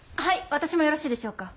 私もよろしいでしょうか。